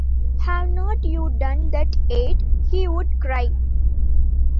“Haven’t you done that yet?” he would cry.